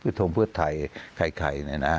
คือธรรมพฤษไทยใครเนี่ยนะ